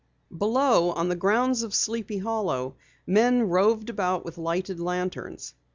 Below, on the grounds of Sleepy Hollow, men roved about with lighted lanterns.